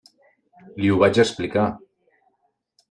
Li ho vaig explicar.